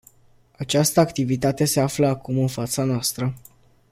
Această activitate se află acum în fața noastră.